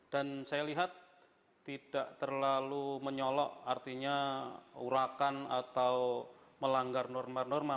dan saya lihat tidak terlalu menyolok artinya urakan atau melanggar norma norma